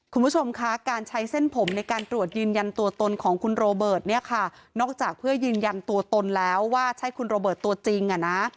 คุณผู้ชมคะการใช้เส้นผมในการตรวจยืนยันตัวตนของคุณโรเบิร์ตเนี่ยค่ะนอกจากเพื่อยืนยันตัวตนแล้วว่าใช่คุณโรเบิร์ตตัวจริงอ่ะนะ